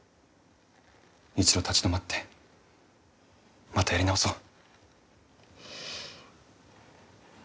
一度立ち止まってまたやり直そう。